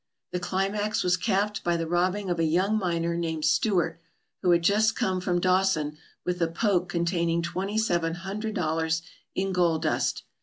The climax was capped by the robbing of a young miner named Stewart, who had just come from Dawson with a poke containing twenty seven hundred dollars in gold dust.